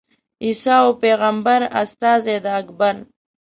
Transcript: عیسی وو پېغمبر استازی د اکبر.